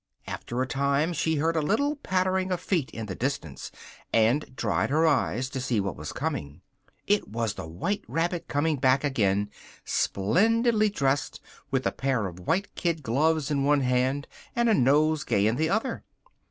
After a time, she heard a little pattering of feet in the distance, and dried her eyes to see what was coming. It was the white rabbit coming back again, splendidly dressed, with a pair of white kid gloves in one hand, and a nosegay in the other.